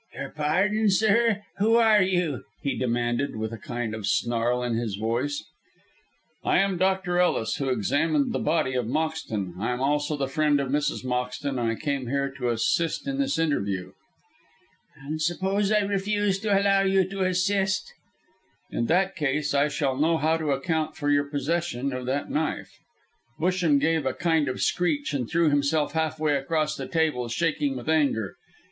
"Your pardon, sir, who are you?" he demanded, with a kind of snarl in his voice. "I am Dr. Ellis, who examined the body of Moxton. I am also the friend of Mrs. Moxton, and I came here to assist in this interview." "And suppose I refuse to allow you to assist?" "In that case, I shall know how to account for your possession of that knife." Busham gave a kind of screech, and threw himself halfway across the table, shaking with anger.